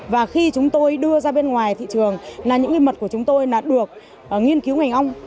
và khi chúng tôi đưa ra bên ngoài thị trường là những mật của chúng tôi được nghiên cứu ngành ong